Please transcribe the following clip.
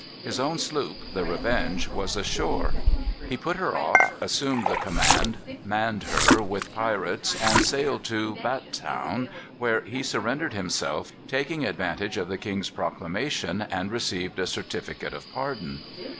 His own sloop, the Revenge, was ashore. He got her off, assumed the command, manned her with pirates, and sailed to Bathtown, where he surrendered himself, taking advantage of the king's proclamation, and received a certificate of pardon.